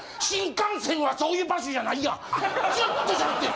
新幹線はそういう場所じゃないやん。